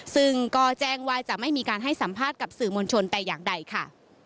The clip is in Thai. ซึ่งก็แจ้งว่าจะไม่มีการให้สัมภาษณ์กับสื่อมวลชนแต่อย่างใดค่ะ